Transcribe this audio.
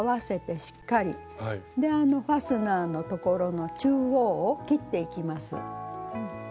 でファスナーのところの中央を切っていきます。